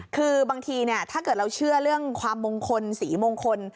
คือบางทีถ้าเกิดเราเชื่อเรื่องความมงคลสีมงคล